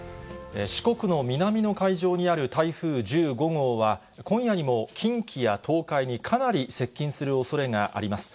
四国の南の海上にある台風１５号は、今夜にも近畿や東海にかなり接近するおそれがあります。